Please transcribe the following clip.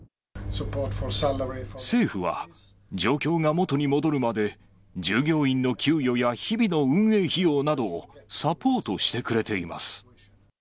政府は状況が元に戻るまで、従業員の給与や日々の運営費用などをサポートしてくれています。